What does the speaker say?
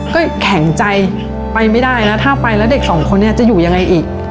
ก็แข็งใจไปไม่ได้นะถ้าไปแล้วเด็กสองคนนี้จะอยู่ยังไงอีก